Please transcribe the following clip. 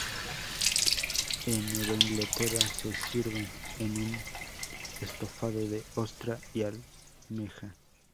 En Nueva Inglaterra se sirven en un estofado de ostra y almeja.